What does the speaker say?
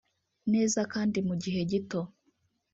neza kandi mu gihe gito